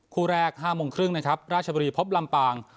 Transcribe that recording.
คู่แรก๕โมงครึ่งนะครับราชบุรีพบลำปาง